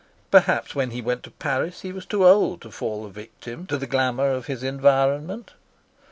Perhaps when he went to Paris he was too old to fall a victim to the glamour of his environment.